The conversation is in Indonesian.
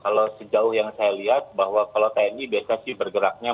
kalau sejauh yang saya lihat bahwa kalau tni biasa sih bergeraknya